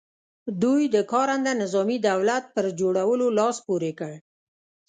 دوی د کارنده نظامي دولت پر جوړولو لاس پ ورې کړ.